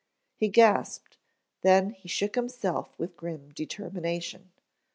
He gasped, then he shook himself with grim determination.